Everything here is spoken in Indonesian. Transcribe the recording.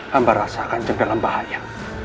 hamba rasakan jempolan bahaya